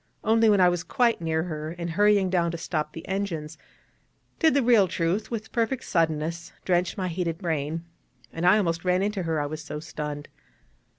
Only when I was quite near her, and hurrying down to stop the engines, did the real truth, with perfect suddenness, drench my heated brain; and I almost ran into her, I was so stunned.